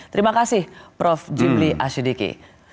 terima kasih prof jimli asyidiki